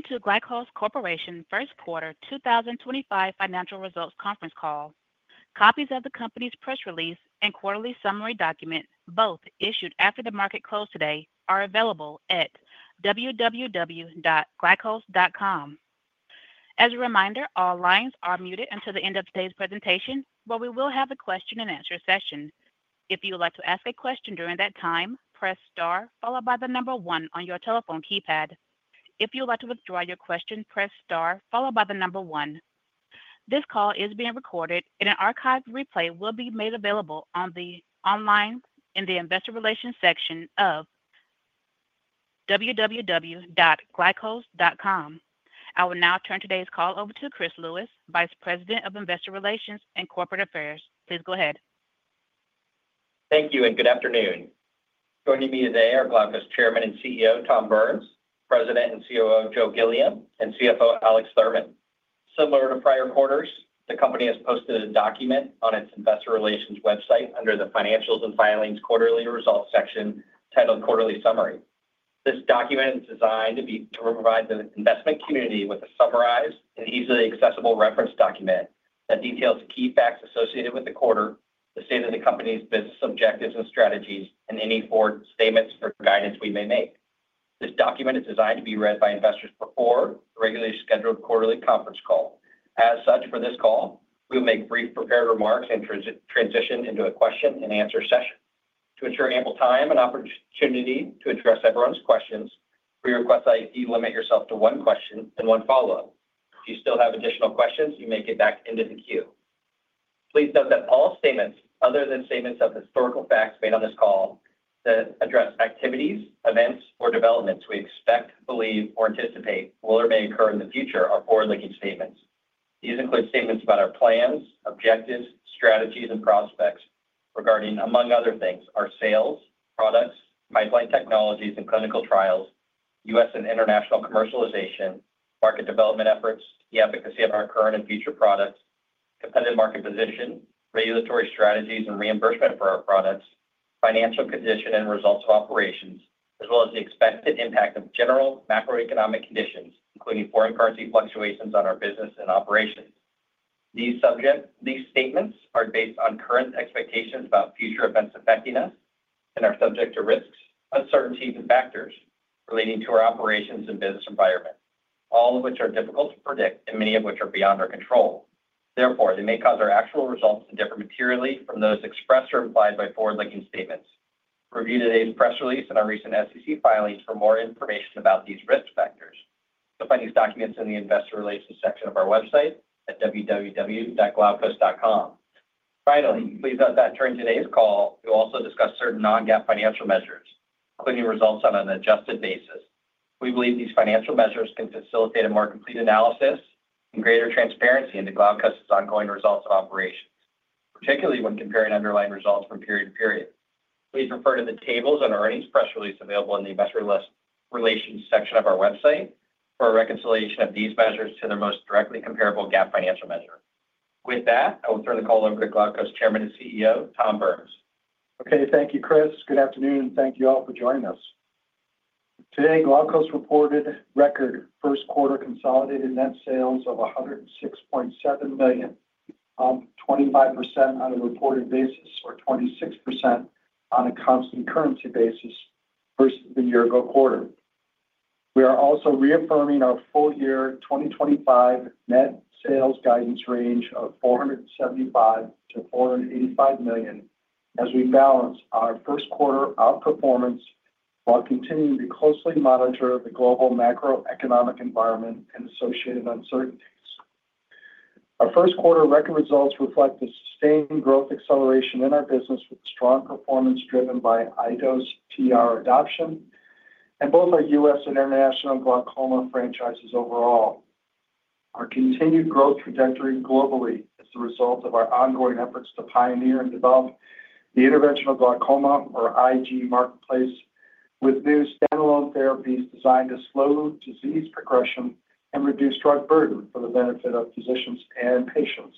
Welcome to the Glaukos Corporation First Quarter 2025 Financial Results Conference Call. Copies of the company's press release and quarterly summary document, both issued after the market closed today, are available at www.glaukos.com. As a reminder, all lines are muted until the end of today's presentation, but we will have a question and answer session. If you would like to ask a question during that time, press star followed by the number one on your telephone keypad. If you would like to withdraw your question, press star followed by the number one. This call is being recorded, and an archived replay will be made available online in the investor relations section of www.glaukos.com. I will now turn today's call over to Chris Lewis, Vice President of Investor Relations and Corporate Affairs. Please go ahead. Thank you, and good afternoon. Joining me today are Glaukos Chairman and CEO Tom Burns, President and COO Joe Gilliam, and CFO Alex Thurman. Similar to prior quarters, the company has posted a document on its investor relations website under the Financials and Filings Quarterly Results section titled Quarterly Summary. This document is designed to provide the investment community with a summarized and easily accessible reference document that details the key facts associated with the quarter, the state of the company's business objectives and strategies, and any forward statements for guidance we may make. This document is designed to be read by investors before the regularly scheduled quarterly conference call. As such, for this call, we will make brief prepared remarks and transition into a question and answer session. To ensure ample time and opportunity to address everyone's questions, we request that you limit yourself to one question and one follow up. If you still have additional questions, you may get back into the queue. Please note that all statements other than statements of historical facts made on this call that address activities, events, or developments we expect, believe, or anticipate will or may occur in the future are forward-looking statements. These include statements about our plans, objectives, strategies, and prospects regarding, among other things, our sales, products, pipeline technologies, and clinical trials, U.S. and international commercialization, market development efforts, the efficacy of our current and future products, competitive market position, regulatory strategies and reimbursement for our products, financial condition and results of operations, as well as the expected impact of general macroeconomic conditions, including foreign currency fluctuations on our business and operations. These statements are based on current expectations about future events affecting us and are subject to risks, uncertainties, and factors relating to our operations and business environment, all of which are difficult to predict and many of which are beyond our control. Therefore, they may cause our actual results to differ materially from those expressed or implied by forward-looking statements. Review today's press release and our recent SEC filings for more information about these risk factors. You'll find these documents in the investor relations section of our website at www.glaukos.com. Finally, please note that to end today's call, we will also discuss certain non-GAAP financial measures, including results on an adjusted basis. We believe these financial measures can facilitate a more complete analysis and greater transparency into Glaukos' ongoing results of operations, particularly when comparing underlying results from period to period. Please refer to the tables and earnings press release available in the investor relations section of our website for a reconciliation of these measures to their most directly comparable GAAP financial measure. With that, I will turn the call over to Glaukos Chairman and CEO Tom Burns. Okay. Thank you, Chris. Good afternoon, and thank you all for joining us. Today, Glaukos reported record first quarter consolidated net sales of $106.7 million, up 25% on a reported basis or 26% on a constant currency basis versus the year ago quarter. We are also reaffirming our full year 2025 net sales guidance range of $475 million-$485 million as we balance our first quarter outperformance while continuing to closely monitor the global macroeconomic environment and associated uncertainties. Our first quarter record results reflect the sustained growth acceleration in our business with strong performance driven by iDose TR adoption and both our U.S. and international glaucoma franchises overall. Our continued growth trajectory globally is the result of our ongoing efforts to pioneer and develop the interventional glaucoma, or IG, marketplace with new standalone therapies designed to slow disease progression and reduce drug burden for the benefit of physicians and patients.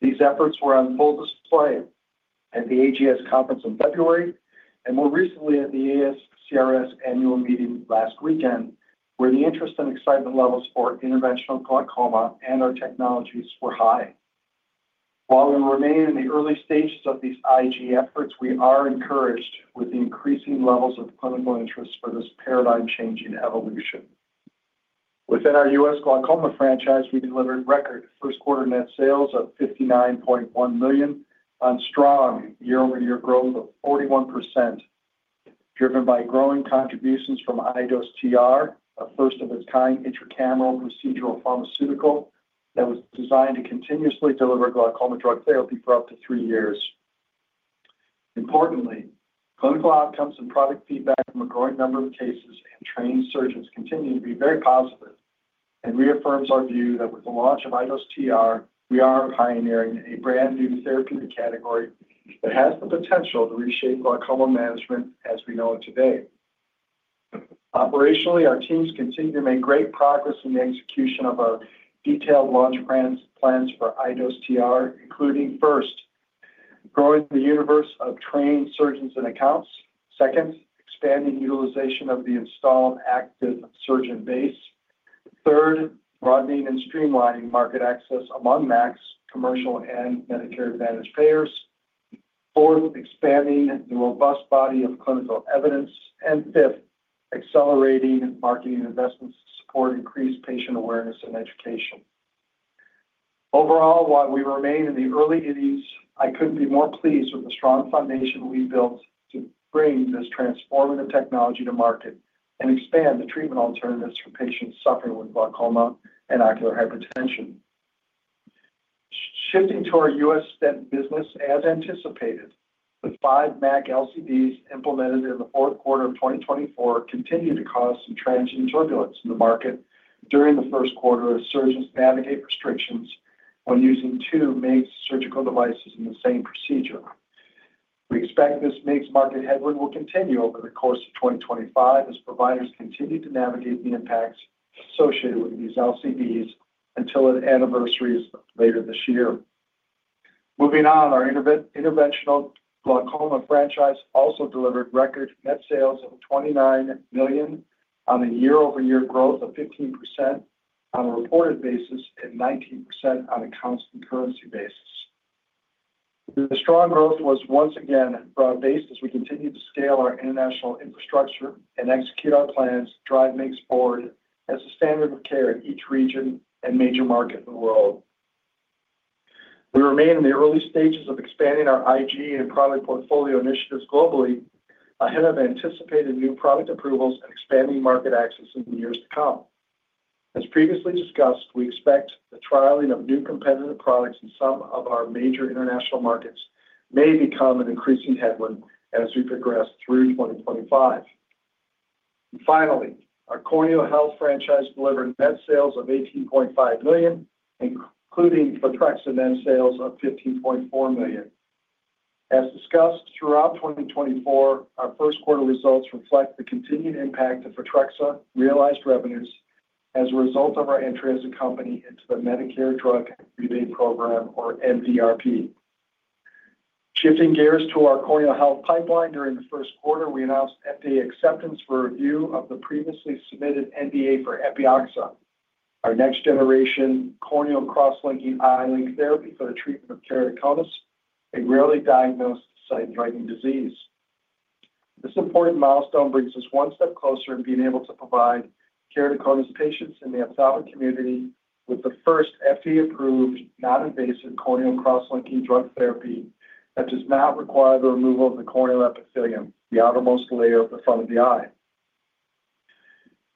These efforts were on full display at the AGS conference in February and more recently at the ASCRS Annual Meeting last weekend, where the interest and excitement levels for interventional glaucoma and our technologies were high. While we remain in the early stages of these IG efforts, we are encouraged with the increasing levels of clinical interest for this paradigm changing evolution. Within our U.S. glaucoma franchise, we delivered record first quarter net sales of $59.1 million on strong year-over-year growth of 41%, driven by growing contributions from iDose TR, a first of its kind intracameral procedural pharmaceutical that was designed to continuously deliver glaucoma drug therapy for up to three years. Importantly, clinical outcomes and product feedback from a growing number of cases and trained surgeons continue to be very positive and reaffirms our view that with the launch of iDose TR, we are pioneering a brand new therapeutic category that has the potential to reshape glaucoma management as we know it today. Operationally, our teams continue to make great progress in the execution of our detailed launch plans for iDose TR, including first, growing the universe of trained surgeons and accounts, second, expanding utilization of the installed active surgeon base, third, broadening and streamlining market access among MACs commercial and Medicare Advantage payers, fourth, expanding the robust body of clinical evidence, and fifth, accelerating marketing investments to support increased patient awareness and education. Overall, while we remain in the early stages, I couldn't be more pleased with the strong foundation we built to bring this transformative technology to market and expand the treatment alternatives for patients suffering with glaucoma and ocular hypertension. Shifting to our U.S. business, as anticipated, the five MAC LCDs implemented in the fourth quarter of 2024 continue to cause some transient turbulence in the market during the first quarter as surgeons navigate restrictions when using two MIGS surgical devices in the same procedure. We expect this MIGS market headwind will continue over the course of 2025 as providers continue to navigate the impacts associated with these LCDs until an anniversaries later this year. Moving on, our interventional glaucoma franchise also delivered record net sales of $29 million on a year-over-year growth of 15% on a reported basis and 19% on a constant currency basis. The strong growth was once again broad based as we continue to scale our international infrastructure and execute our plans to drive MIGS forward as a standard of care in each region and major market in the world. We remain in the early stages of expanding our IG and product portfolio initiatives globally ahead of anticipated new product approvals and expanding market access in the years to come. As previously discussed, we expect the trialing of new competitive products in some of our major international markets may become an increasing headwind as we progress through 2025. Finally, our Corneal Health franchise delivered net sales of $18.5 million, including Photrexa net sales of $15.4 million. As discussed, throughout 2024, our first quarter results reflect the continued impact of Photrexa realized revenues as a result of our entry as a company into the Medicaid Drug Rebate Program, or MDRP. Shifting gears to our Corneal Health pipeline during the first quarter, we announced FDA acceptance for review of the previously submitted NDA for Epioxa, our next-generation corneal cross-linking iLink therapy for the treatment of keratoconus, a rarely diagnosed sight-threatening disease. This important milestone brings us one step closer in being able to provide keratoconus patients in the ophthalmic community with the first FDA approved non-invasive corneal cross-linking drug therapy that does not require the removal of the corneal epithelium, the outermost layer of the front of the eye.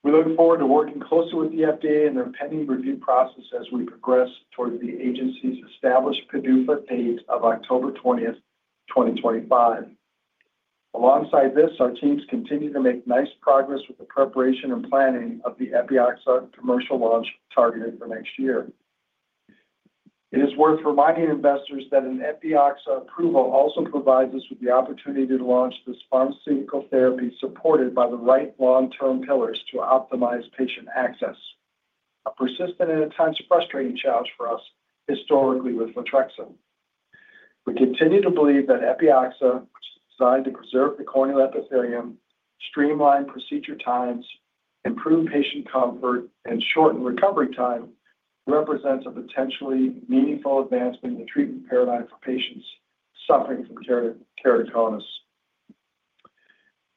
We look forward to working closer with the FDA in their pending review process as we progress towards the agency's established PDUFA date of October 20th, 2025. Alongside this, our teams continue to make nice progress with the preparation and planning of the Epioxa commercial launch targeted for next year. It is worth reminding investors that an Epioxa approval also provides us with the opportunity to launch this pharmaceutical therapy supported by the right long-term pillars to optimize patient access, a persistent and at times frustrating challenge for us historically with Photrexa. We continue to believe that Epioxa, which is designed to preserve the corneal epithelium, streamline procedure times, improve patient comfort, and shorten recovery time, represents a potentially meaningful advancement in the treatment paradigm for patients suffering from keratoconus.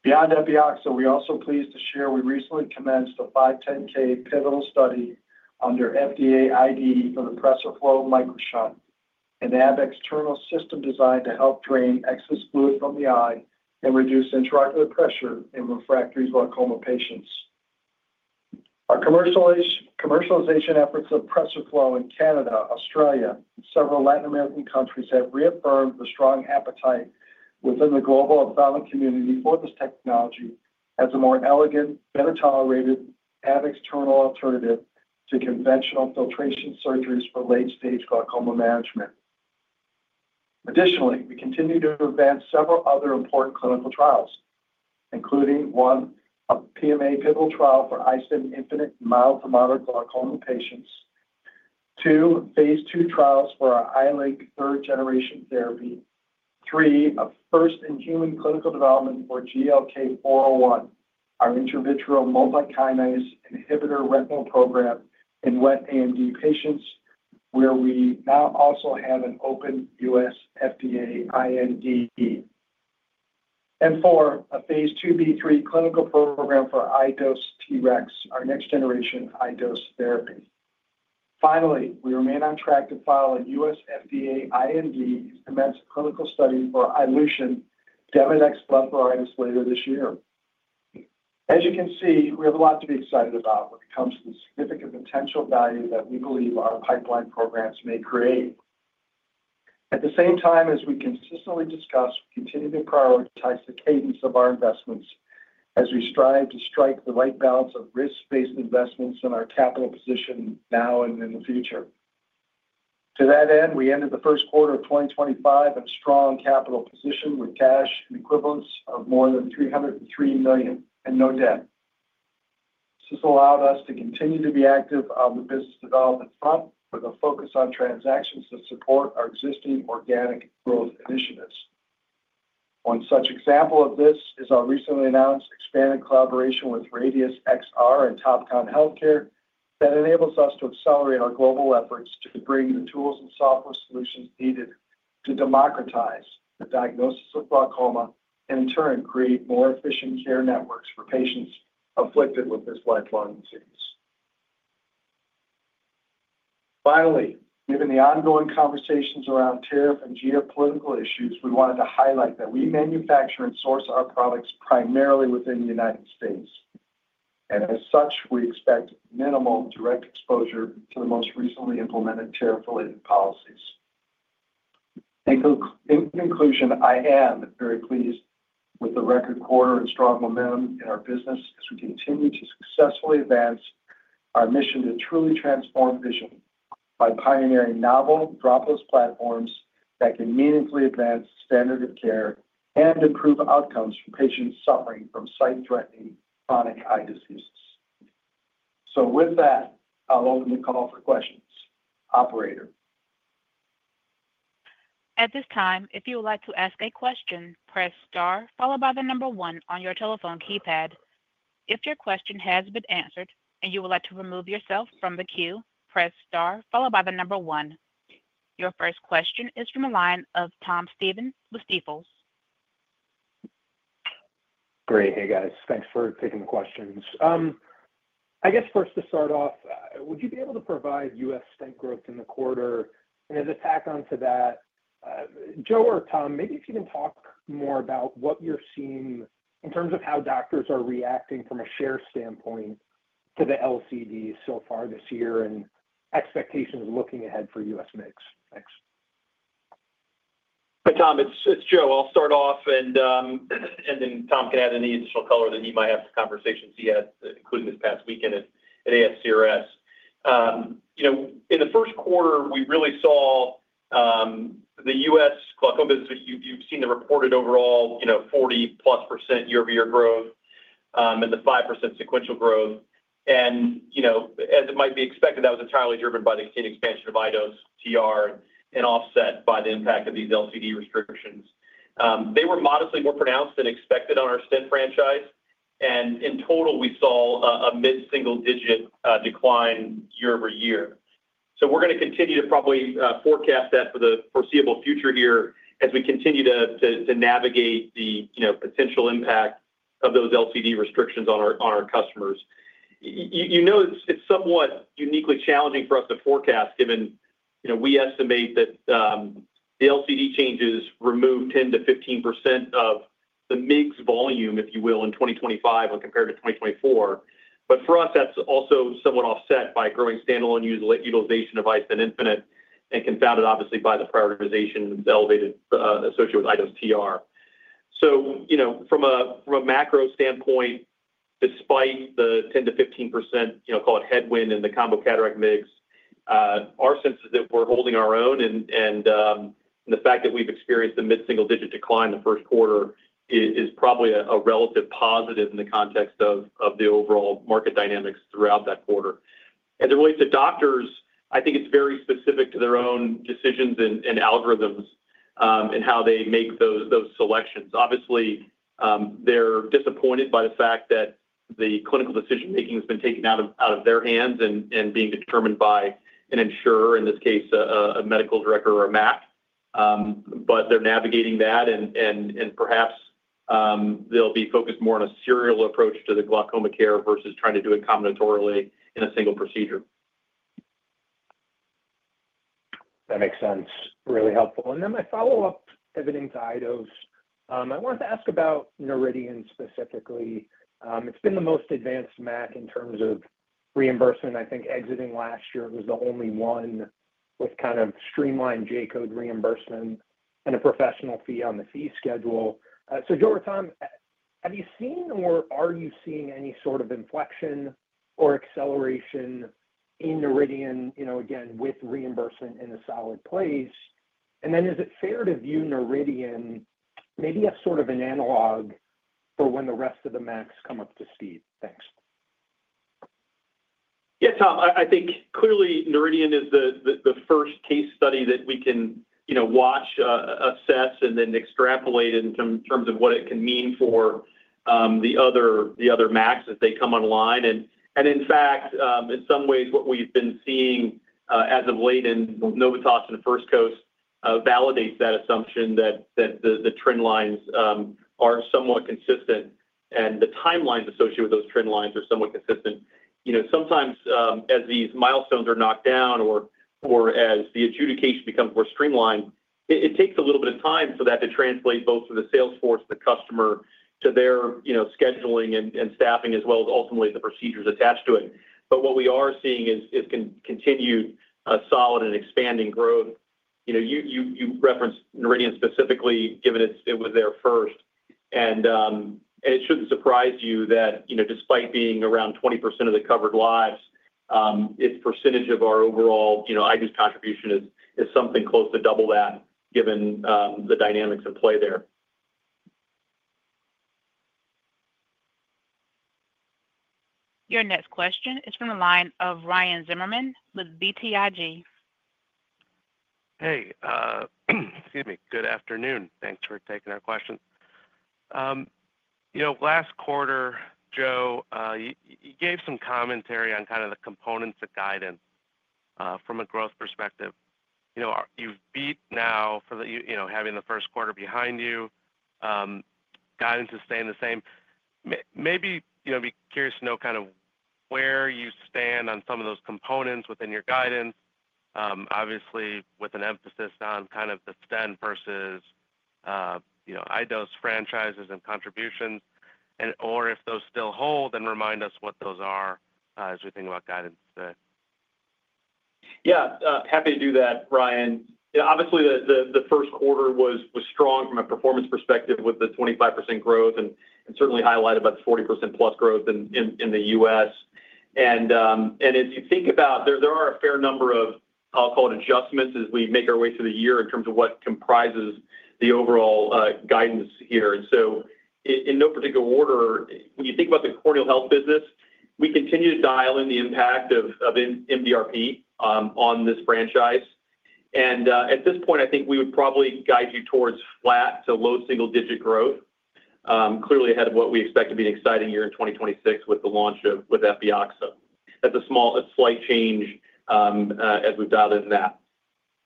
Beyond Epioxa, we are also pleased to share we recently commenced a 510(k) pivotal study under FDA IND for the PRESERFLO MicroShunt, an ab-externo system designed to help drain excess fluid from the eye and reduce intraocular pressure in refractory glaucoma patients. Our commercialization efforts of PRESERFLO in Canada, Australia, and several Latin American countries have reaffirmed the strong appetite within the global ophthalmic community for this technology as a more elegant, better tolerated ab-externo alternative to conventional filtration surgeries for late stage glaucoma management. Additionally, we continue to advance several other important clinical trials, including one, a PMA pivotal trial for iStent Infinite mild-to-moderate glaucoma patients; two, phase II trials for our iLink third-generation therapy; three, a first in human clinical development for GLK-401, our intravitreal multi-kinase inhibitor retinal program in wet AMD patients, where we now also have an open U.S. FDA IND; and four, a phase II-B/3 clinical program for iDose TREX, our next-generation iDose therapy. Finally, we remain on track to file a U.S. FDA IND clinical study for iLution Demodex blepharitis later this year. As you can see, we have a lot to be excited about when it comes to the significant potential value that we believe our pipeline programs may create. At the same time as we consistently discuss, we continue to prioritize the cadence of our investments as we strive to strike the right balance of risk-based investments in our capital position now and in the future. To that end, we ended the first quarter of 2025 in a strong capital position with cash and equivalents of more than $303 million and no debt. This has allowed us to continue to be active on the business development front with a focus on transactions to support our existing organic growth initiatives. One such example of this is our recently announced expanded collaboration with RadiusXR and Topcon Healthcare that enables us to accelerate our global efforts to bring the tools and software solutions needed to democratize the diagnosis of glaucoma and, in turn, create more efficient care networks for patients afflicted with this lifelong disease. Finally, given the ongoing conversations around tariff and geopolitical issues, we wanted to highlight that we manufacture and source our products primarily within the U.S. As such, we expect minimal direct exposure to the most recently implemented tariff-related policies. In conclusion, I am very pleased with the record quarter and strong momentum in our business as we continue to successfully advance our mission to truly transform vision by pioneering novel droplet platforms that can meaningfully advance standard of care and improve outcomes for patients suffering from sight-threatening chronic eye diseases. With that, I'll open the call for questions. Operator? At this time, if you would like to ask a question, press star followed by the number one on your telephone keypad. If your question has been answered and you would like to remove yourself from the queue, press star followed by the number one. Your first question is from a line of Tom Stephan with Stifel. Great. Hey, guys. Thanks for taking the questions. I guess first to start off, would you be able to provide U.S. spend growth in the quarter? As a tack on to that, Joe or Tom, maybe if you can talk more about what you're seeing in terms of how doctors are reacting from a share standpoint to the LCD so far this year and expectations looking ahead for U.S. MIGS? Thanks. Hi, Tom. It's Joe. I'll start off, and then Tom can add any additional color that he might have to conversations he had, including this past weekend at ASCRS. In the first quarter, we really saw the U.S. glaucoma business, you've seen the reported overall 40%+ year-over-year growth and the 5% sequential growth. As it might be expected, that was entirely driven by the continued expansion of iDose TR and offset by the impact of these LCD restrictions. They were modestly more pronounced than expected on our stent franchise. In total, we saw a mid single-digit decline year-over-year. We are going to continue to probably forecast that for the foreseeable future here as we continue to navigate the potential impact of those LCD restrictions on our customers. You know it's somewhat uniquely challenging for us to forecast given we estimate that the LCD changes remove 10%-15% of the MIGS volume, if you will, in 2025 when compared to 2024. For us, that's also somewhat offset by growing standalone utilization of iStent Infinite and confounded, obviously, by the prioritization and the elevated associated with iDose TR. From a macro standpoint, despite the 10%-15%, call it headwind in the combo-cataract MIGS, our sense is that we're holding our own. The fact that we've experienced the mid single-digit decline the first quarter is probably a relative positive in the context of the overall market dynamics throughout that quarter. As it relates to doctors, I think it's very specific to their own decisions and algorithms and how they make those selections. Obviously, they're disappointed by the fact that the clinical decision-making has been taken out of their hands and being determined by an insurer, in this case, a medical director or a MAC. They're navigating that, and perhaps they'll be focused more on a serial approach to the glaucoma care versus trying to do it combinatorially in a single procedure. That makes sense. Really helpful. Then my follow-up, evident to iDose, I wanted to ask about Noridian specifically. It's been the most advanced MAC in terms of reimbursement. I think exiting last year, it was the only one with kind of streamlined J-code reimbursement and a professional fee on the fee schedule. Joe or Tom, have you seen or are you seeing any sort of inflection or acceleration in Noridian, again, with reimbursement in a solid place? Is it fair to view Noridian maybe as sort of an analog for when the rest of the MACs come up to speed? Thanks. Yeah, Tom, I think clearly Noridian is the first case study that we can watch, assess, and then extrapolate in terms of what it can mean for the other MACs as they come online. In fact, in some ways, what we've been seeing as of late in Novitas and First Coast validates that assumption that the trend lines are somewhat consistent and the timelines associated with those trend lines are somewhat consistent. Sometimes as these milestones are knocked down or as the adjudication becomes more streamlined, it takes a little bit of time for that to translate both to the salesforce, the customer, to their scheduling and staffing, as well as ultimately the procedures attached to it. What we are seeing is continued solid and expanding growth. You referenced Noridian specifically given it was there first. It shouldn't surprise you that despite being around 20% of the covered lives, its percentage of our overall iDose contribution is something close to double that given the dynamics at play there. Your next question is from a line of Ryan Zimmerman with BTIG. Hey. Excuse me. Good afternoon. Thanks for taking our question. Last quarter, Joe, you gave some commentary on kind of the components of guidance from a growth perspective. You've beat now for having the first quarter behind you. Guidance is staying the same. Maybe I'd be curious to know kind of where you stand on some of those components within your guidance, obviously with an emphasis on kind of the stent versus iDose franchises and contributions. If those still hold, then remind us what those are as we think about guidance today. Yeah. Happy to do that, Ryan. Obviously, the first quarter was strong from a performance perspective with the 25% growth and certainly highlighted about the 40%+ growth in the U.S. If you think about there are a fair number of, I'll call it adjustments as we make our way through the year in terms of what comprises the overall guidance here. In no particular order, when you think about the corneal health business, we continue to dial in the impact of MDRP on this franchise. At this point, I think we would probably guide you towards flat to low single-digit growth, clearly ahead of what we expect to be an exciting year in 2026 with the launch of Epioxa. That's a slight change as we've dialed in that.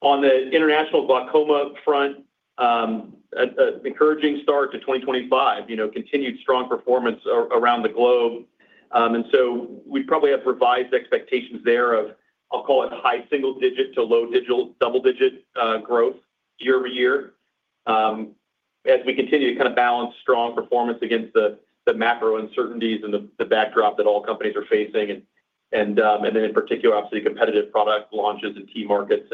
On the international glaucoma front, an encouraging start to 2025, continued strong performance around the globe. We probably have revised expectations there of, I'll call it, high single-digit to low double-digit growth year-over-year as we continue to kind of balance strong performance against the macro uncertainties and the backdrop that all companies are facing. In particular, obviously, competitive product launches in key markets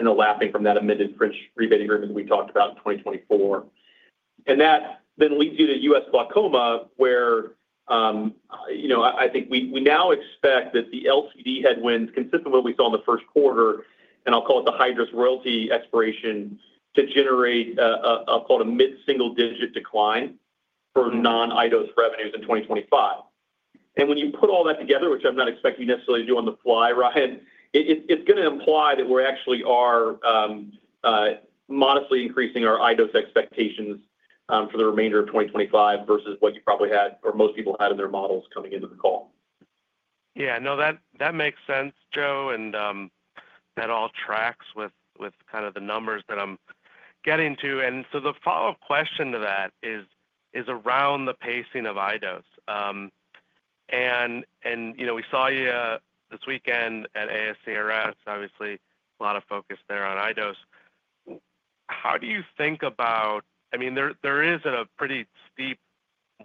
and the lapping from that amended French rebate agreement that we talked about in 2024. That then leads you to U.S. glaucoma, where I think we now expect that the LCD headwinds, consistent with what we saw in the first quarter, and I'll call it the Hydrus royalty expiration, to generate a mid single-digit decline for non-iDose revenues in 2025. When you put all that together, which I'm not expecting you necessarily to do on the fly, Ryan, it's going to imply that we actually are modestly increasing our iDose expectations for the remainder of 2025 versus what you probably had or most people had in their models coming into the call. Yeah. No, that makes sense, Joe. That all tracks with kind of the numbers that I'm getting to. The follow up question to that is around the pacing of iDose. We saw you this weekend at ASCRS, obviously, a lot of focus there on iDose. How do you think about, I mean, there is a pretty steep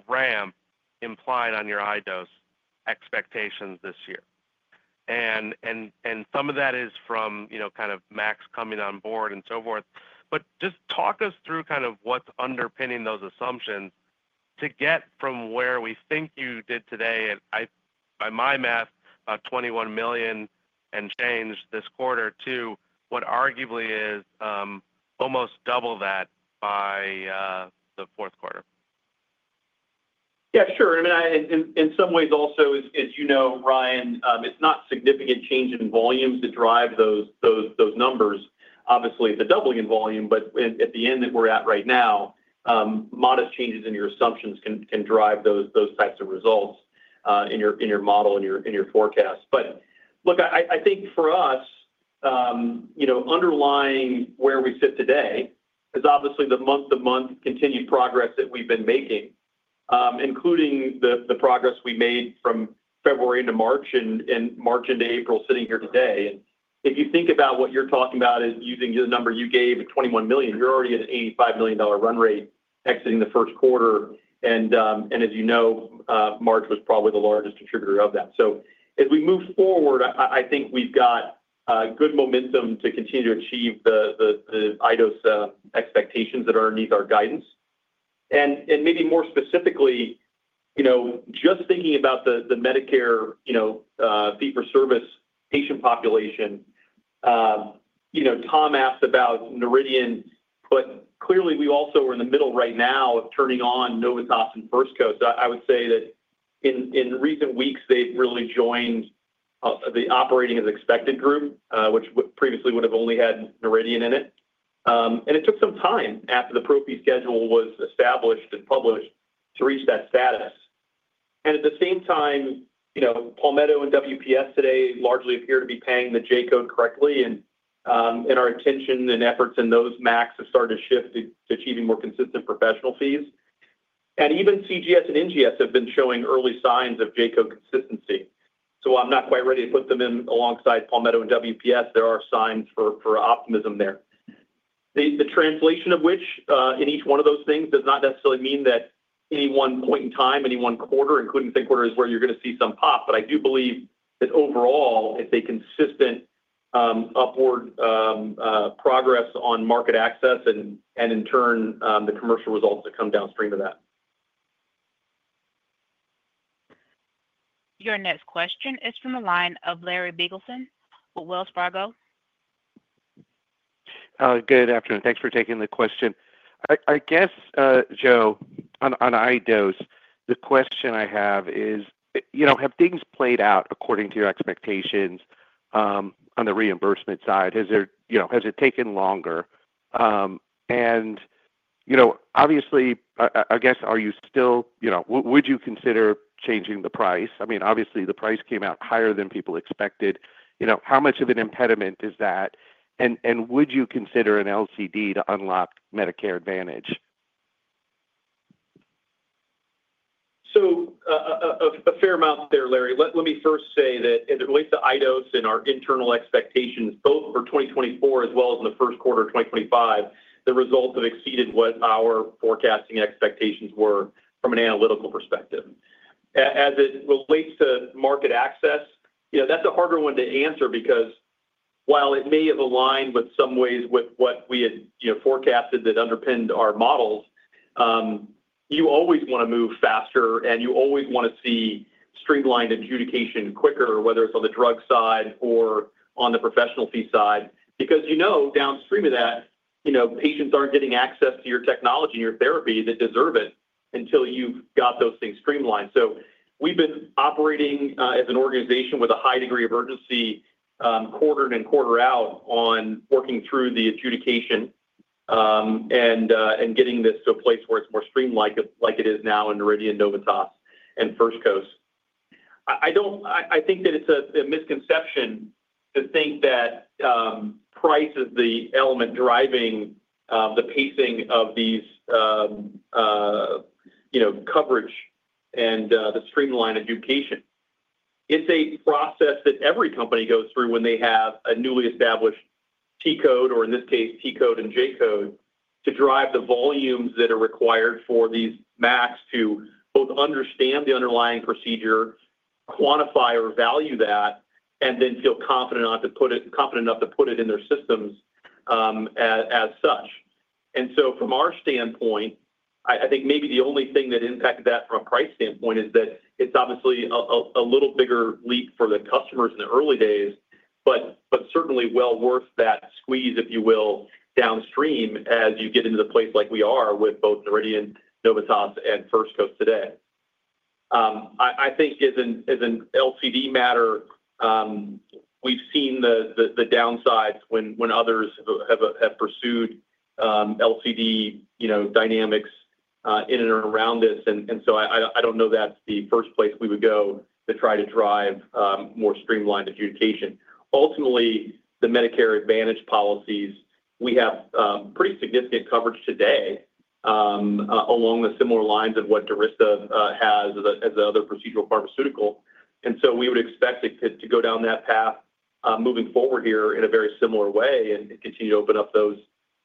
ramp implied on your iDose expectations this year. Some of that is from kind of MACs coming on board and so forth. Just talk us through kind of what's underpinning those assumptions to get from where we think you did today, by my math, about $21 million and change this quarter to what arguably is almost double that by the fourth quarter. Yeah, sure. I mean, in some ways also, as you know, Ryan, it's not significant change in volumes that drive those numbers, obviously, the doubling in volume. At the end that we're at right now, modest changes in your assumptions can drive those types of results in your model and your forecast. Look, I think for us, underlying where we sit today is obviously the month-to-month continued progress that we've been making, including the progress we made from February into March and March into April sitting here today. If you think about what you're talking about as using the number you gave of $21 million, you're already at an $85 million run rate exiting the first quarter. As you know, March was probably the largest contributor of that. As we move forward, I think we've got good momentum to continue to achieve the iDose expectations that are underneath our guidance. Maybe more specifically, just thinking about the Medicare fee-for-service patient population, Tom asked about Noridian, but clearly we also are in the middle right now of turning on Novitas and First Coast. I would say that in recent weeks, they've really joined the operating as expected group, which previously would have only had Noridian in it. It took some time after the pro fee schedule was established and published to reach that status. At the same time, Palmetto and WPS today largely appear to be paying the J-code correctly. Our attention and efforts in those MACs have started to shift to achieving more consistent professional fees. Even CGS and NGS have been showing early signs of J-code consistency. While I'm not quite ready to put them in alongside Palmetto and WPS, there are signs for optimism there. The translation of which in each one of those things does not necessarily mean that any one point in time, any one quarter, including the second quarter, is where you're going to see some pop. I do believe that overall, it's a consistent upward progress on market access and in turn, the commercial results that come downstream of that. Your next question is from a line of Larry Biegelsen with Wells Fargo. Good afternoon. Thanks for taking the question. I guess, Joe, on iDose, the question I have is, have things played out according to your expectations on the reimbursement side? Has it taken longer? I guess, are you still, would you consider changing the price? I mean, obviously, the price came out higher than people expected. How much of an impediment is that? Would you consider an LCD to unlock Medicare Advantage? A fair amount there, Larry. Let me first say that as it relates to iDose and our internal expectations, both for 2024 as well as in the first quarter of 2025, the results have exceeded what our forecasting expectations were from an analytical perspective. As it relates to market access, that's a harder one to answer because while it may have aligned in some ways with what we had forecasted that underpinned our models, you always want to move faster, and you always want to see streamlined adjudication quicker, whether it's on the drug side or on the professional fee side. Because you know downstream of that, patients aren't getting access to your technology and your therapy that deserve it until you've got those things streamlined. We have been operating as an organization with a high degree of urgency quarter in and quarter out on working through the adjudication and getting this to a place where it is more streamlined like it is now in Noridian, Novitas, and First Coast. I think that it is a misconception to think that price is the element driving the pacing of these coverage and the streamlined adjudication. It is a process that every company goes through when they have a newly established T-code or in this case, T-code and J-code to drive the volumes that are required for these MACs to both understand the underlying procedure, quantify or value that, and then feel confident enough to put it in their systems as such. From our standpoint, I think maybe the only thing that impacted that from a price standpoint is that it's obviously a little bigger leap for the customers in the early days, but certainly well worth that squeeze, if you will, downstream as you get into the place like we are with both Noridian, Novitas, and First Coast today. I think as an LCD matter, we've seen the downsides when others have pursued LCD dynamics in and around this. I don't know that's the first place we would go to try to drive more streamlined adjudication. Ultimately, the Medicare Advantage policies, we have pretty significant coverage today along the similar lines of what DURYSTA has as the other procedural pharmaceutical. We would expect it to go down that path moving forward here in a very similar way and continue to open up those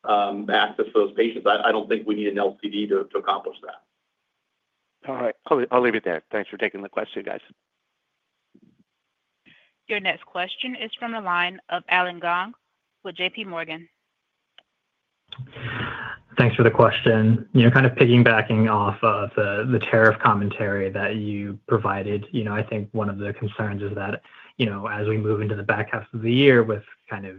access for those patients. I do not think we need an LCD to accomplish that. All right. I'll leave it there. Thanks for taking the question, guys. Your next question is from a line of Allen Gong with JPMorgan. Thanks for the question. Kind of piggybacking off of the tariff commentary that you provided, I think one of the concerns is that as we move into the back half of the year with kind of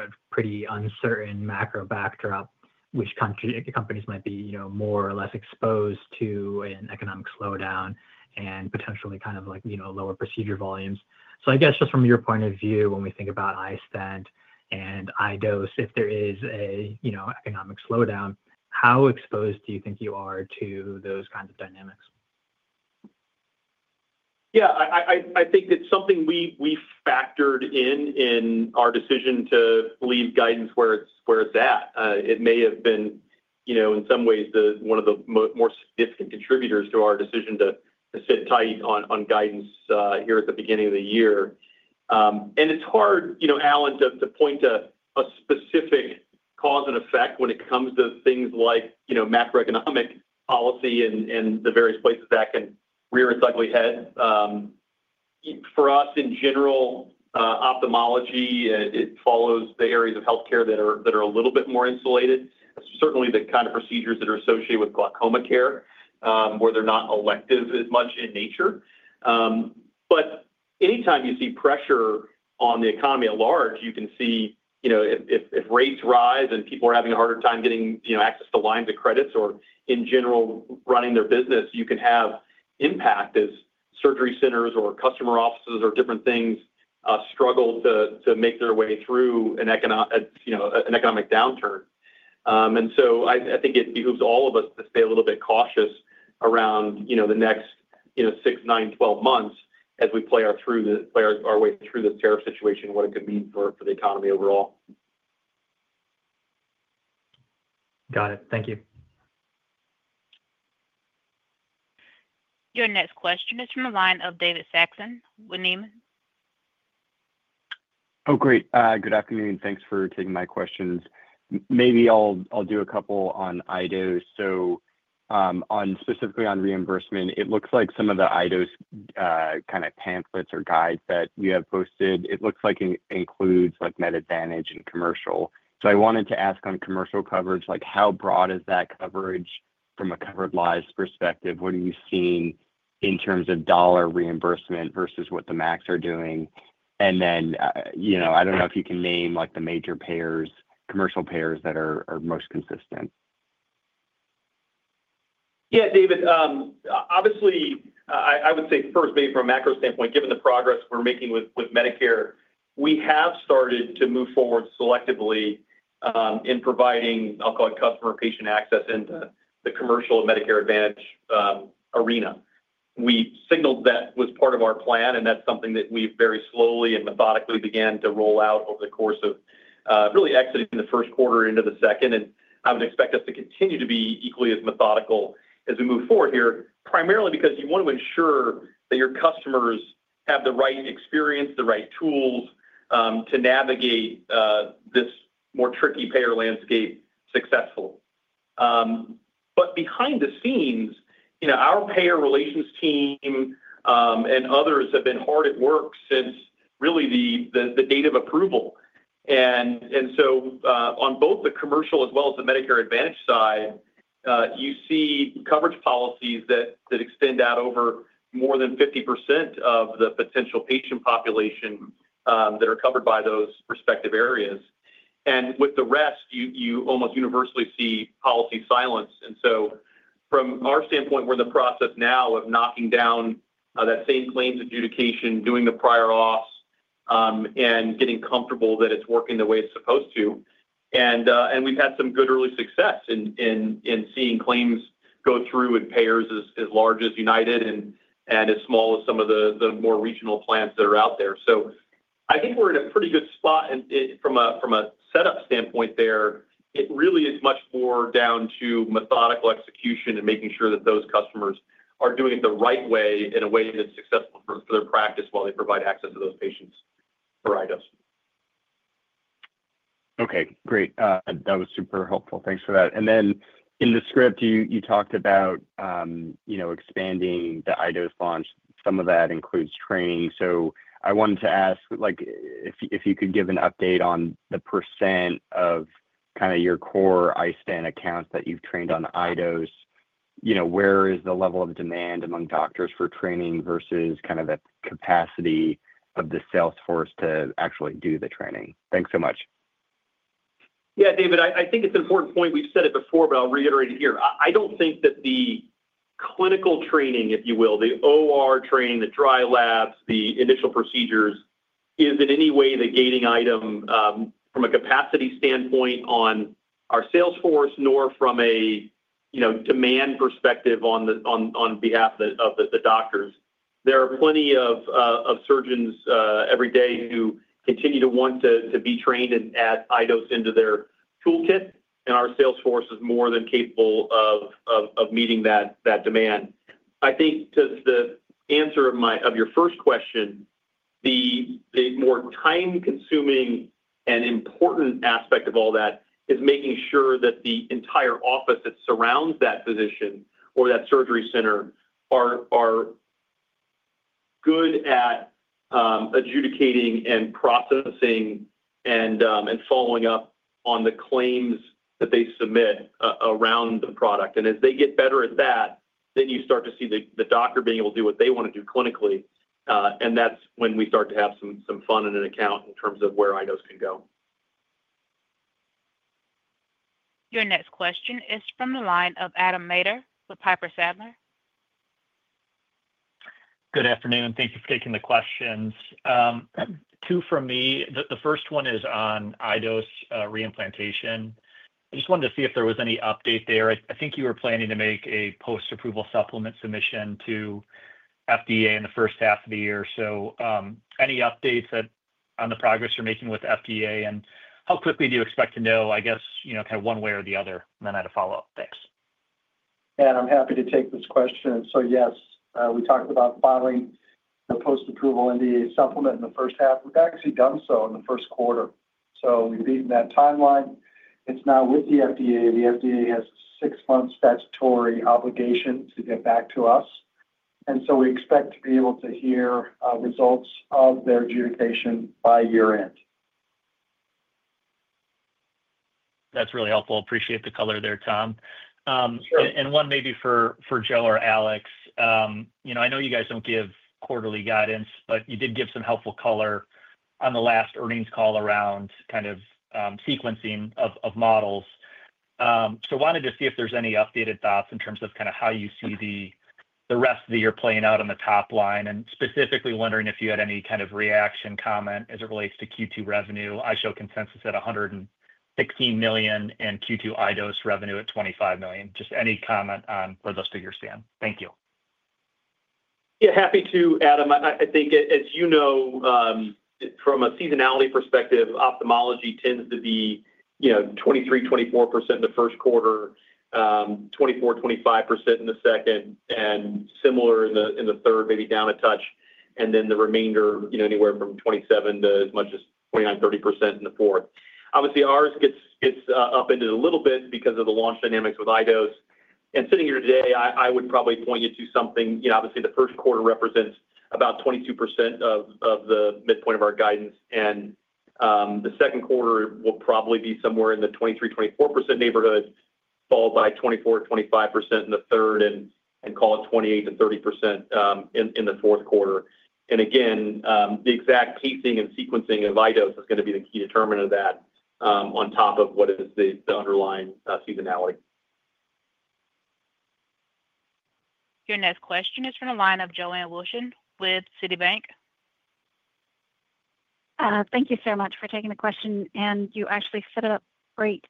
a pretty uncertain macro backdrop, which countries or companies might be more or less exposed to an economic slowdown and potentially kind of lower procedure volumes. I guess just from your point of view, when we think about iStent and iDose, if there is an economic slowdown, how exposed do you think you are to those kinds of dynamics? Yeah. I think it's something we factored in our decision to leave guidance where it's at. It may have been in some ways one of the more significant contributors to our decision to sit tight on guidance here at the beginning of the year. It's hard, Allen, to point to a specific cause and effect when it comes to things like macroeconomic policy and the various places that can rear its ugly head. For us in general, ophthalmology, it follows the areas of healthcare that are a little bit more insulated, certainly the kind of procedures that are associated with glaucoma care where they're not elective as much in nature. Anytime you see pressure on the economy at large, you can see if rates rise and people are having a harder time getting access to lines of credit or in general running their business, you can have impact as surgery centers or customer offices or different things struggle to make their way through an economic downturn. I think it behooves all of us to stay a little bit cautious around the next six, nine, 12 months as we play our way through the tariff situation and what it could mean for the economy overall. Got it. Thank you. Your next question is from a line of David Saxon with Needham. Oh, great. Good afternoon. Thanks for taking my questions. Maybe I'll do a couple on iDose. Specifically on reimbursement, it looks like some of the iDose kind of pamphlets or guides that we have posted, it looks like it includes Med Advantage and commercial. I wanted to ask on commercial coverage, how broad is that coverage from a covered lives perspective? What are you seeing in terms of dollar reimbursement versus what the MACs are doing? I don't know if you can name the major payers, commercial payers that are most consistent. Yeah, David. Obviously, I would say first, maybe from a macro standpoint, given the progress we're making with Medicare, we have started to move forward selectively in providing, I'll call it customer patient access into the commercial Medicare Advantage arena. We signaled that was part of our plan, and that's something that we very slowly and methodically began to roll out over the course of really exiting the first quarter into the second. I would expect us to continue to be equally as methodical as we move forward here, primarily because you want to ensure that your customers have the right experience, the right tools to navigate this more tricky payer landscape successfully. Behind the scenes, our payer relations team and others have been hard at work since really the date of approval. On both the commercial as well as the Medicare Advantage side, you see coverage policies that extend out over more than 50% of the potential patient population that are covered by those respective areas. With the rest, you almost universally see policy silence. From our standpoint, we're in the process now of knocking down that same claims adjudication, doing the prior auths, and getting comfortable that it's working the way it's supposed to. We've had some good early success in seeing claims go through with payers as large as United and as small as some of the more regional plans that are out there. I think we're in a pretty good spot. From a setup standpoint there, it really is much more down to methodical execution and making sure that those customers are doing it the right way in a way that's successful for their practice while they provide access to those patients for iDose. Okay. Great. That was super helpful. Thanks for that. In the script, you talked about expanding the iDose launch. Some of that includes training. I wanted to ask if you could give an update on the percent of kind of your core iStent accounts that you've trained on iDose, where is the level of demand among doctors for training versus kind of the capacity of the salesforce to actually do the training? Thanks so much. Yeah, David, I think it's an important point. We've said it before, but I'll reiterate it here. I don't think that the clinical training, if you will, the OR training, the dry labs, the initial procedures is in any way the gating item from a capacity standpoint on our salesforce nor from a demand perspective on behalf of the doctors. There are plenty of surgeons every day who continue to want to be trained and add iDose into their toolkit, and our salesforce is more than capable of meeting that demand. I think the answer of your first question, the more time consuming and important aspect of all that is making sure that the entire office that surrounds that physician or that surgery center are good at adjudicating and processing and following up on the claims that they submit around the product. As they get better at that, you start to see the doctor being able to do what they want to do clinically. That is when we start to have some fun in an account in terms of where iDose can go. Your next question is from a line of Adam Maeder with Piper Sandler. Good afternoon. Thank you for taking the questions. Two from me. The first one is on iDose reimplantation. I just wanted to see if there was any update there. I think you were planning to make a post-approval supplement submission to FDA in the first half of the year. Any updates on the progress you're making with FDA? How quickly do you expect to know, I guess, kind of one way or the other? I had a follow up. Thanks. Yeah. I'm happy to take this question. Yes, we talked about filing the post-approval NDA supplement in the first half. We've actually done so in the first quarter. We beat that timeline. It's now with the FDA. The FDA has a six month statutory obligation to get back to us. We expect to be able to hear results of their adjudication by year-end. That's really helpful. Appreciate the color there, Tom. One maybe for Joe or Alex. I know you guys don't give quarterly guidance, but you did give some helpful color on the last earnings call around kind of sequencing of models. Wanted to see if there's any updated thoughts in terms of kind of how you see the rest of the year playing out on the top line. Specifically wondering if you had any kind of reaction comment as it relates to Q2 revenue. I show consensus at $116 million and Q2 iDose revenue at $25 million. Just any comment for the rest of your stand. Thank you. Yeah. Happy to, Adam. I think, as you know, from a seasonality perspective, ophthalmology tends to be 23%-24% in the first quarter, 24%-25% in the second, and similar in the third, maybe down a touch, and then the remainder anywhere from 27% to as much as 29%-30% in the fourth. Obviously, ours gets upended a little bit because of the launch dynamics with iDose. Sitting here today, I would probably point you to something. Obviously, the first quarter represents about 22% of the midpoint of our guidance. The second quarter will probably be somewhere in the 23%-24% neighborhood, followed by 24%-25% in the third, and call it 28%-30% in the fourth quarter. Again, the exact pacing and sequencing of iDose is going to be the key determinant of that on top of what is the underlying seasonality. Your next question is from a line of Joanne Wuensch with Citibank. Thank you so much for taking the question. You actually set it up great.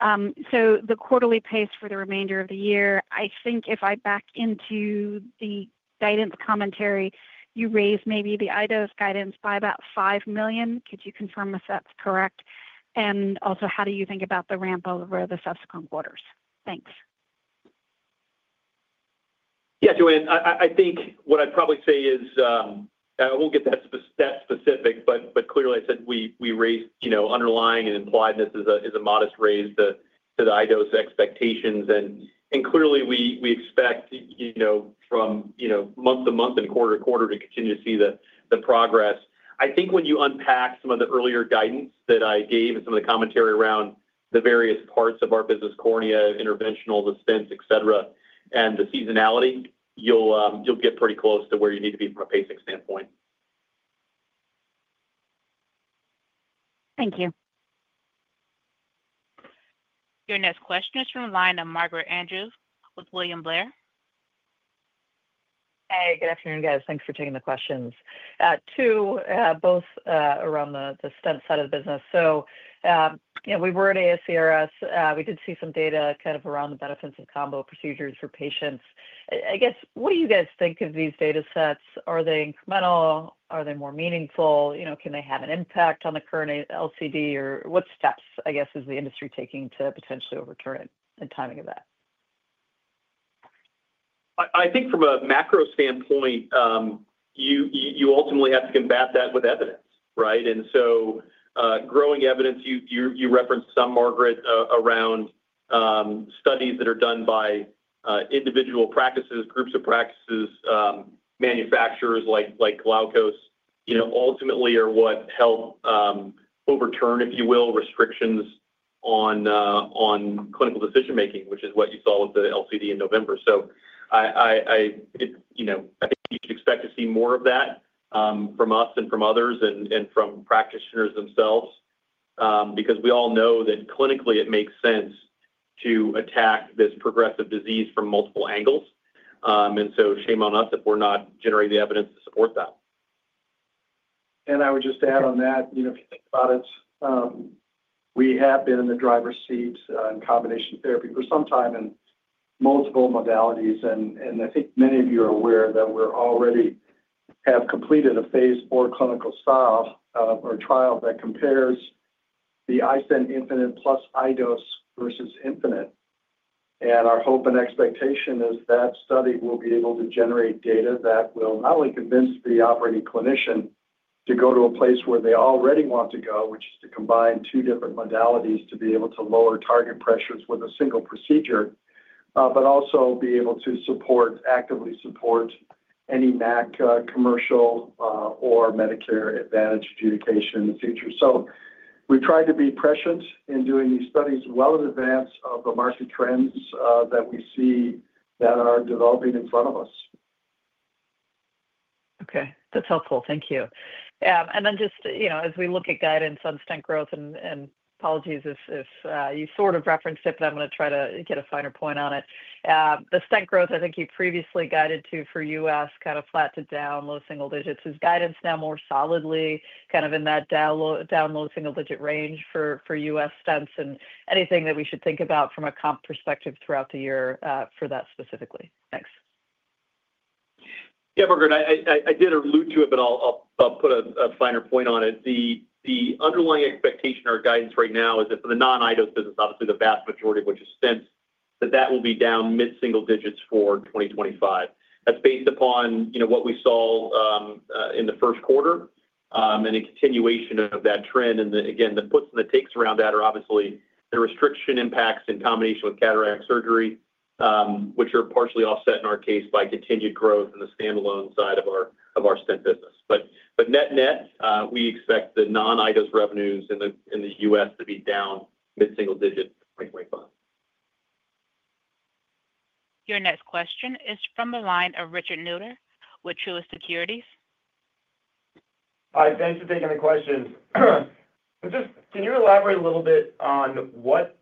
The quarterly pace for the remainder of the year, I think if I back into the guidance commentary, you raised maybe the iDose guidance by about $5 million. Could you confirm if that's correct? Also, how do you think about the ramp over the subsequent quarters? Thanks. Yeah, Joanne, I think what I'd probably say is I won't get that specific, but clearly, I said we raised underlying and implied this as a modest raise to the iDose expectations. Clearly, we expect from month to month and quarter to quarter to continue to see the progress. I think when you unpack some of the earlier guidance that I gave and some of the commentary around the various parts of our business, cornea, interventional dispense, etc., and the seasonality, you'll get pretty close to where you need to be from a pacing standpoint. Thank you. Your next question is from a line of Margaret Andrews with William Blair. Hey, good afternoon, guys. Thanks for taking the questions. Two, both around the stent side of the business. We were at ASCRS. We did see some data kind of around the benefits of combo procedures for patients. I guess, what do you guys think of these data sets? Are they incremental? Are they more meaningful? Can they have an impact on the current LCD? What steps, I guess, is the industry taking to potentially overturn it and timing of that? I think from a macro standpoint, you ultimately have to combat that with evidence, right? Growing evidence, you referenced some, Margaret, around studies that are done by individual practices, groups of practices, manufacturers like Glaukos ultimately are what help overturn, if you will, restrictions on clinical decision-making, which is what you saw with the LCD in November. I think you should expect to see more of that from us and from others and from practitioners themselves because we all know that clinically, it makes sense to attack this progressive disease from multiple angles. Shame on us if we're not generating the evidence to support that. I would just add on that, if you think about it, we have been in the driver's seat in combination therapy for some time in multiple modalities. I think many of you are aware that we already have completed a phase IV clinical trial that compares the iStent Infinite plus iDose versus Infinite. Our hope and expectation is that study will be able to generate data that will not only convince the operating clinician to go to a place where they already want to go, which is to combine two different modalities to be able to lower target pressures with a single procedure, but also be able to actively support any MAC commercial or Medicare Advantage adjudication in the future. We have tried to be prescient in doing these studies well in advance of the market trends that we see that are developing in front of us. Okay. That's helpful. Thank you. Just as we look at guidance on stent growth, and apologies if you sort of referenced it, but I'm going to try to get a finer point on it. The stent growth, I think you previously guided to for U.S., kind of flat to down, low single-digits. Is guidance now more solidly kind of in that down, low single digit range for U.S. stents and anything that we should think about from a comp perspective throughout the year for that specifically? Thanks. Yeah, Margaret, I did allude to it, but I'll put a finer point on it. The underlying expectation or guidance right now is that for the non-iDose business, obviously the vast majority of which is stents, that that will be down mid single-digits for 2025. That's based upon what we saw in the first quarter and a continuation of that trend. The puts and the takes around that are obviously the restriction impacts in combination with cataract surgery, which are partially offset in our case by continued growth in the standalone side of our stent business. Net-net, we expect the non-iDose revenues in the U.S. to be down mid single-digits 2025. Your next question is from a line of Richard Newitter with Truist Securities. Hi. Thanks for taking the question. Can you elaborate a little bit on what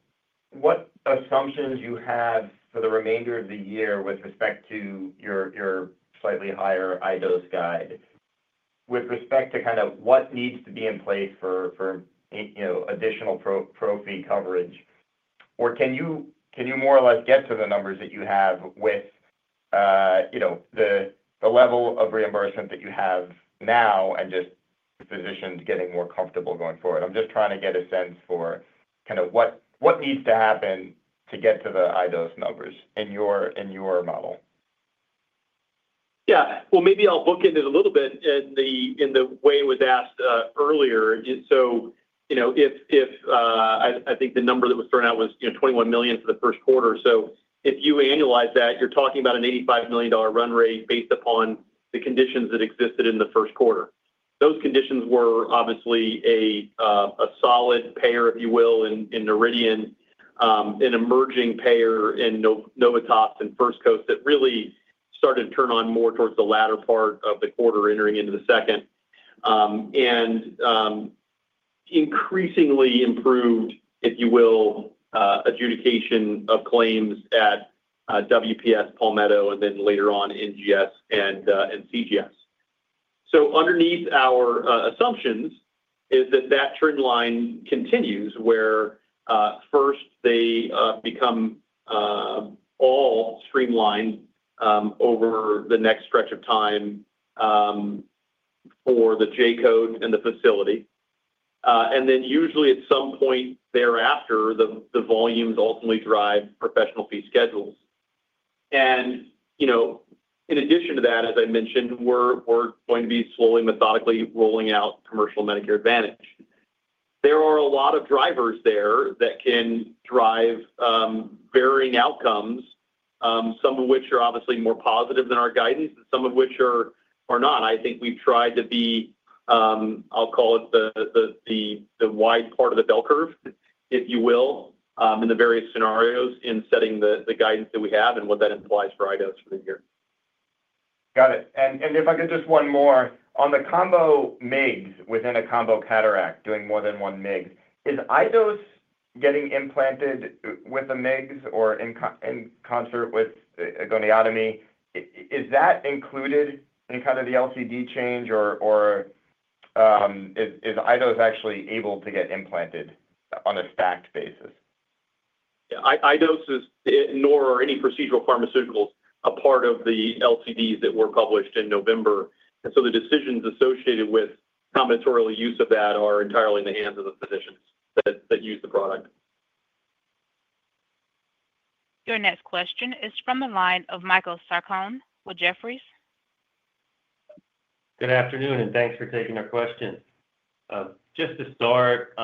assumptions you have for the remainder of the year with respect to your slightly higher iDose guide with respect to kind of what needs to be in place for additional pro fee coverage? Or can you more or less get to the numbers that you have with the level of reimbursement that you have now and just physicians getting more comfortable going forward? I'm just trying to get a sense for kind of what needs to happen to get to the iDose numbers in your model. Yeah. Maybe I'll book into it a little bit in the way it was asked earlier. I think the number that was thrown out was $21 million for the first quarter. If you annualize that, you're talking about an $85 million run rate based upon the conditions that existed in the first quarter. Those conditions were obviously a solid payer, if you will, in Noridian, an emerging payer in Novitas and First Coast that really started to turn on more towards the latter part of the quarter entering into the second, and increasingly improved, if you will, adjudication of claims at WPS, Palmetto, and then later on NGS and CGS. Underneath our assumptions is that that trend line continues where first they become all streamlined over the next stretch of time for the J-code and the facility. Usually at some point thereafter, the volumes ultimately drive professional fee schedules. In addition to that, as I mentioned, we're going to be slowly, methodically rolling out commercial Medicare Advantage. There are a lot of drivers there that can drive varying outcomes, some of which are obviously more positive than our guidance and some of which are not. I think we've tried to be, I'll call it the wide part of the bell curve, if you will, in the various scenarios in setting the guidance that we have and what that implies for iDose for the year. Got it. If I could just one more, on the combo MIGS within a combo-cataract, doing more than one MIGS, is iDose getting implanted with a MIGS or in concert with a goniotomy? Is that included in kind of the LCD change or is iDose actually able to get implanted on a stacked basis? Yeah. iDose is, nor are any procedural pharmaceuticals, a part of the LCDs that were published in November. The decisions associated with combinatorial use of that are entirely in the hands of the physicians that use the product. Your next question is from a line of Michael Sarcone with Jefferies. Good afternoon, and thanks for taking our question. Just to start,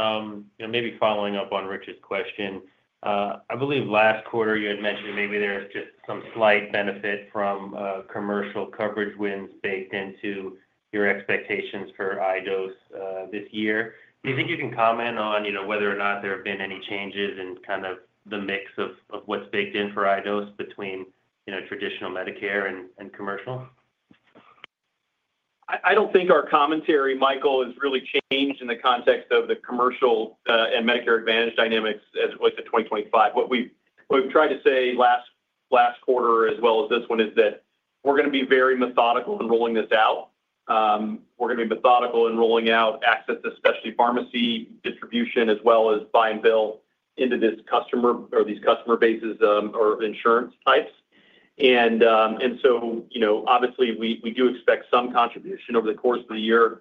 maybe following up on Richard's question, I believe last quarter you had mentioned maybe there's just some slight benefit from commercial coverage wins baked into your expectations for iDose this year. Do you think you can comment on whether or not there have been any changes in kind of the mix of what's baked in for iDose between traditional Medicare and commercial? I don't think our commentary, Michael, has really changed in the context of the commercial and Medicare Advantage dynamics as it relates to 2025. What we've tried to say last quarter as well as this one is that we're going to be very methodical in rolling this out. We're going to be methodical in rolling out access to specialty pharmacy distribution as well as buy and bill into these customer bases or insurance types. Obviously, we do expect some contribution over the course of the year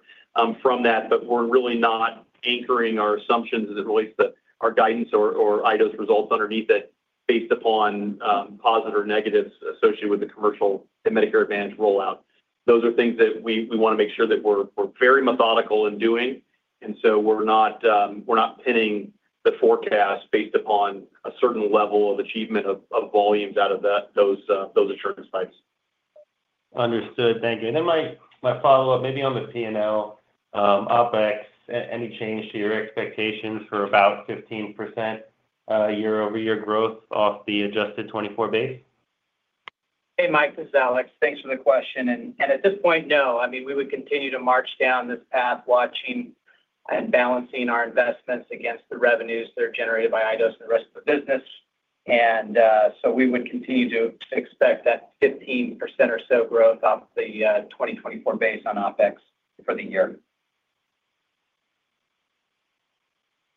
from that, but we're really not anchoring our assumptions as it relates to our guidance or iDose results underneath it based upon positive or negatives associated with the commercial and Medicare Advantage rollout. Those are things that we want to make sure that we're very methodical in doing. We're not pinning the forecast based upon a certain level of achievement of volumes out of those insurance types. Understood. Thank you. My follow up, maybe on the P&L, OpEx, any change to your expectations for about 15% year-over-year growth off the adjusted 2024 base? Hey, Michael, Alex, thanks for the question. At this point, no. I mean, we would continue to march down this path watching and balancing our investments against the revenues that are generated by iDose and the rest of the business. We would continue to expect that 15% or so growth off the 2024 base on OpEx for the year.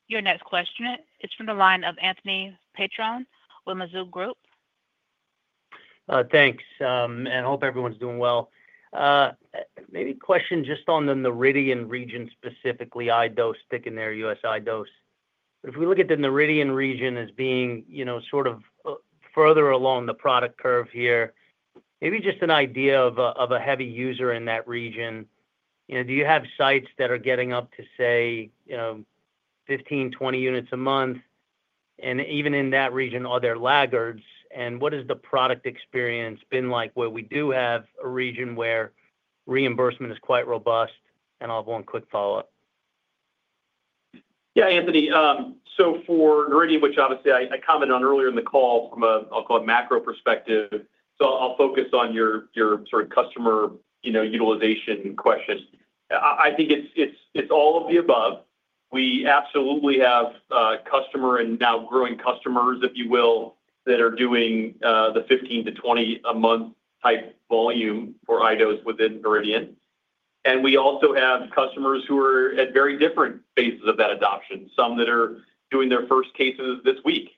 Your next question is from the line of Anthony Petrone with Mizuho Group. Thanks. I hope everyone's doing well. Maybe question just on the Noridian region specifically, iDose sticking there, U.S. iDose. If we look at the Noridian region as being sort of further along the product curve here, maybe just an idea of a heavy user in that region, do you have sites that are getting up to, say, 15-20 units a month? Even in that region, are there laggards? What has the product experience been like where we do have a region where reimbursement is quite robust? I'll have one quick follow up. Yeah, Anthony. For Noridian, which obviously I commented on earlier in the call from a, I'll call it, macro perspective. I'll focus on your sort of customer utilization question. I think it's all of the above. We absolutely have customer and now growing customers, if you will, that are doing the 15-20 a month type volume for iDose within Noridian. We also have customers who are at very different phases of that adoption, some that are doing their first cases this week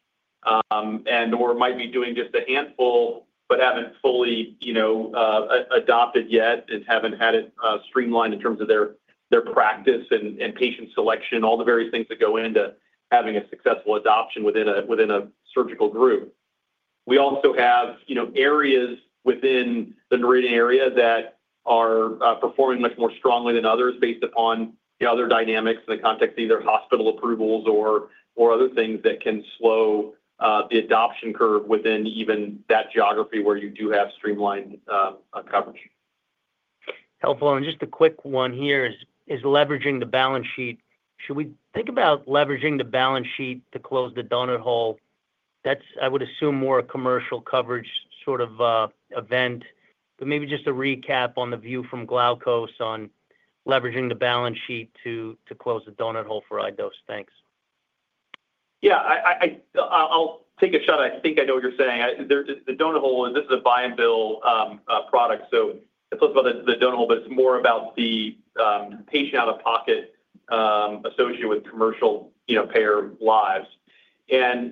and/or might be doing just a handful but haven't fully adopted yet and haven't had it streamlined in terms of their practice and patient selection, all the various things that go into having a successful adoption within a surgical group. We also have areas within the Noridian area that are performing much more strongly than others based upon the other dynamics in the context of either hospital approvals or other things that can slow the adoption curve within even that geography where you do have streamlined coverage. Helpful. Just a quick one here is leveraging the balance sheet. Should we think about leveraging the balance sheet to close the donut hole? That's, I would assume, more a commercial coverage sort of event. Maybe just a recap on the view from Glaukos on leveraging the balance sheet to close the donut hole for iDose. Thanks. Yeah. I'll take a shot. I think I know what you're saying. The donut hole, this is a buy and bill product. It is about the donut hole, but it is more about the patient out-of-pocket associated with commercial payer lives.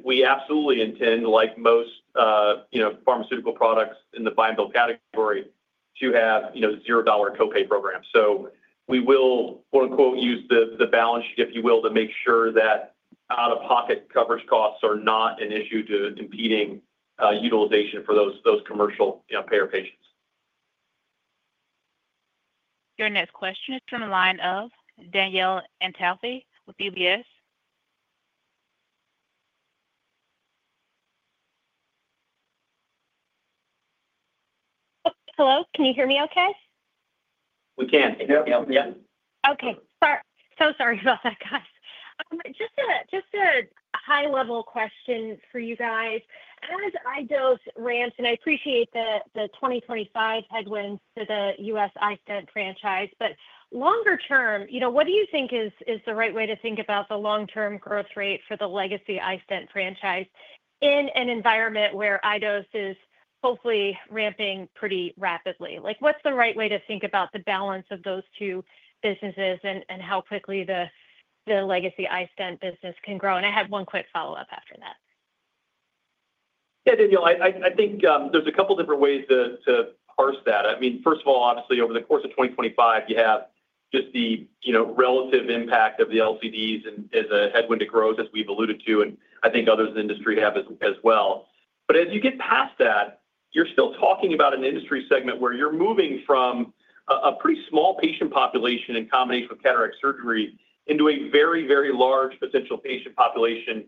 We absolutely intend, like most pharmaceutical products in the buy and bill category, to have zero-dollar copay programs. We will "use the balance sheet," if you will, to make sure that out-of-pocket coverage costs are not an issue to impeding utilization for those commercial payer patients. Your next question is from a line of Danielle Antalffy with UBS. Hello. Can you hear me okay? We can. Yeah. Sorry about that, guys. Just a high level question for you guys. As iDose ramps, and I appreciate the 2025 headwinds to the U.S. iStent franchise, but longer term, what do you think is the right way to think about the long-term growth rate for the legacy iStent franchise in an environment where iDose is hopefully ramping pretty rapidly? What's the right way to think about the balance of those two businesses and how quickly the legacy iStent business can grow? I have one quick follow up after that. Yeah, Danielle, I think there's a couple of different ways to parse that. I mean, first of all, obviously, over the course of 2025, you have just the relative impact of the LCDs as a headwind to growth, as we've alluded to, and I think others in the industry have as well. As you get past that, you're still talking about an industry segment where you're moving from a pretty small patient population in combination with cataract surgery into a very, very large potential patient population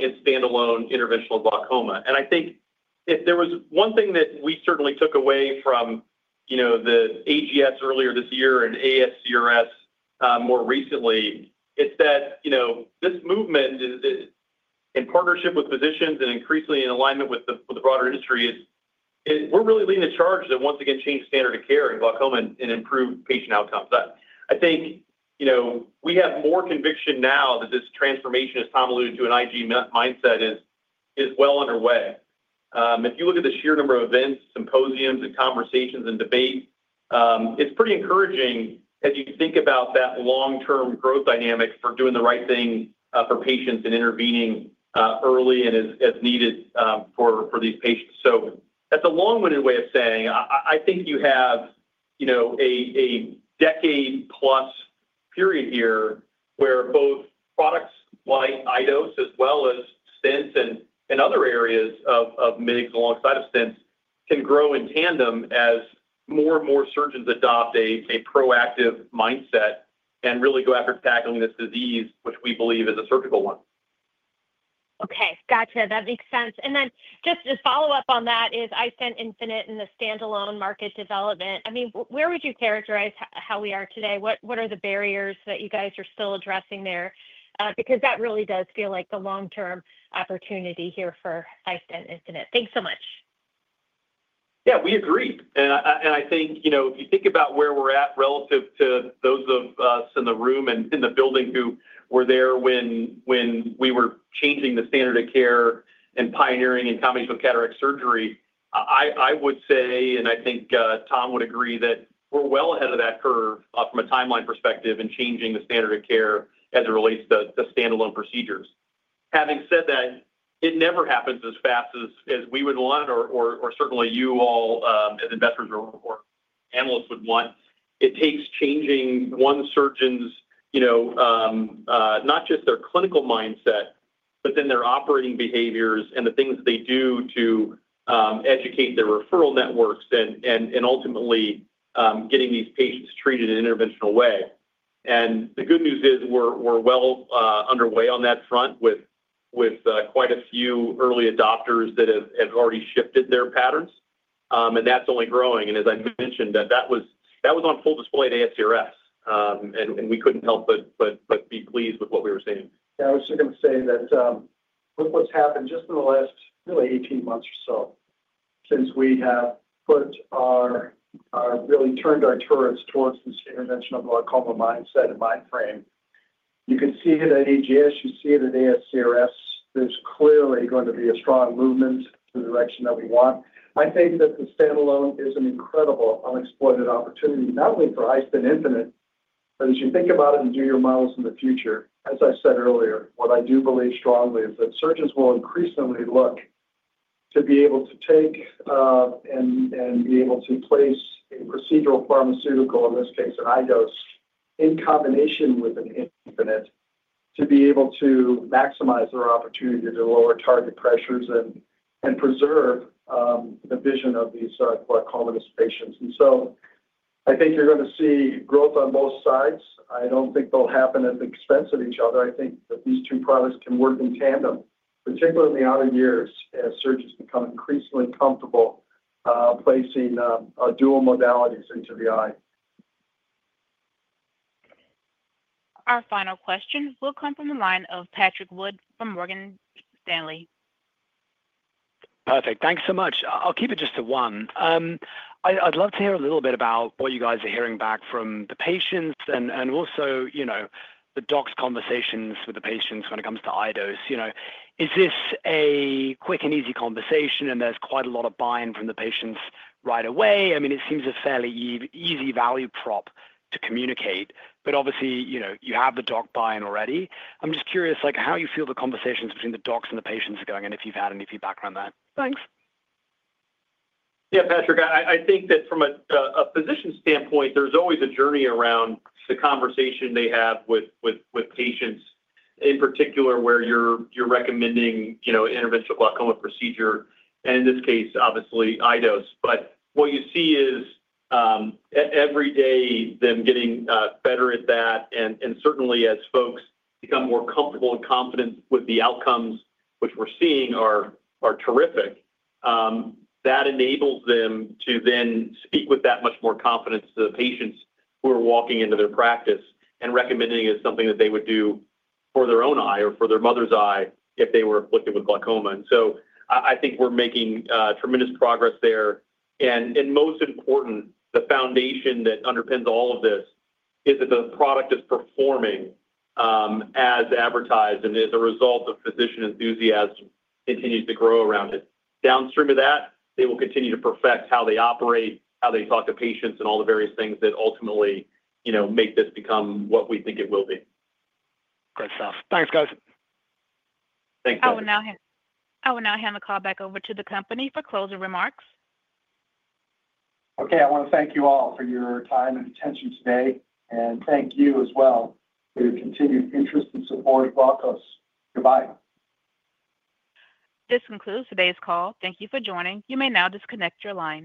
in standalone interventional glaucoma. I think if there was one thing that we certainly took away from the AGS earlier this year and ASCRS more recently, it's that this movement in partnership with physicians and increasingly in alignment with the broader industry is we're really leading the charge to once again change standard of care in glaucoma and improve patient outcomes. I think we have more conviction now that this transformation, as Tom alluded to, an IG mindset is well underway. If you look at the sheer number of events, symposiums, and conversations and debate, it's pretty encouraging as you think about that long-term growth dynamic for doing the right thing for patients and intervening early and as needed for these patients. That is a long-winded way of saying I think you have a decade plus period here where both products like iDose as well as stents and other areas of MIGS alongside of stents can grow in tandem as more and more surgeons adopt a proactive mindset and really go after tackling this disease, which we believe is a surgical one. Okay. Gotcha. That makes sense. Just to follow up on that is iStent Infinite and the standalone market development. I mean, where would you characterize how we are today? What are the barriers that you guys are still addressing there? Because that really does feel like the long-term opportunity here for iStent Infinite. Thanks so much. Yeah, we agree. I think if you think about where we're at relative to those of us in the room and in the building who were there when we were changing the standard of care and pioneering in combination with cataract surgery, I would say, and I think Tom would agree, that we're well ahead of that curve from a timeline perspective in changing the standard of care as it relates to standalone procedures. Having said that, it never happens as fast as we would want or certainly you all as investors or analysts would want. It takes changing one surgeon's not just their clinical mindset, but then their operating behaviors and the things they do to educate their referral networks and ultimately getting these patients treated in an interventional way. The good news is we're well underway on that front with quite a few early adopters that have already shifted their patterns. That is only growing. As I mentioned, that was on full display at ASCRS. We could not help but be pleased with what we were seeing. Yeah, I was just going to say that with what's happened just in the last really 18 months or so since we have really turned our turrets towards this interventional glaucoma mindset and mind frame, you can see it at AGS, you see it at ASCRS. There's clearly going to be a strong movement in the direction that we want. I think that the standalone is an incredible unexploited opportunity, not only for iStent Infinite, but as you think about it and do your models in the future. As I said earlier, what I do believe strongly is that surgeons will increasingly look to be able to take and be able to place a procedural pharmaceutical, in this case, an iDose, in combination with an Infinite to be able to maximize their opportunity to lower target pressures and preserve the vision of these glaucomatous patients. I think you're going to see growth on both sides. I don't think they'll happen at the expense of each other. I think that these two products can work in tandem, particularly in the outer years as surgeons become increasingly comfortable placing dual modalities into the eye. Our final question will come from the line of Patrick Wood from Morgan Stanley. Perfect. Thanks so much. I'll keep it just to one. I'd love to hear a little bit about what you guys are hearing back from the patients and also the docs' conversations with the patients when it comes to iDose. Is this a quick and easy conversation, and there's quite a lot of buy-in from the patients right away? I mean, it seems a fairly easy value prop to communicate, but obviously, you have the doc buy-in already. I'm just curious how you feel the conversations between the docs and the patients are going, and if you've had any feedback around that. Thanks. Yeah, Patrick, I think that from a physician standpoint, there's always a journey around the conversation they have with patients, in particular where you're recommending an interventional glaucoma procedure, and in this case, obviously, iDose. What you see is every day them getting better at that. Certainly, as folks become more comfortable and confident with the outcomes, which we're seeing are terrific, that enables them to then speak with that much more confidence to the patients who are walking into their practice and recommending it as something that they would do for their own eye or for their mother's eye if they were afflicted with glaucoma. I think we're making tremendous progress there. Most important, the foundation that underpins all of this is that the product is performing as advertised and is a result of physician enthusiasm continuing to grow around it. Downstream of that, they will continue to perfect how they operate, how they talk to patients, and all the various things that ultimately make this become what we think it will be. Great stuff. Thanks, guys. Thanks, guys. I will now hand the call back over to the company for closing remarks. Okay. I want to thank you all for your time and attention today. Thank you as well for your continued interest and support of Glaukos. Goodbye. This concludes today's call. Thank you for joining. You may now disconnect your line.